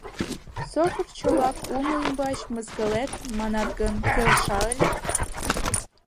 Сокыр-чолак улмо ӱмбач «мыскылет» манат гын, келша ыле...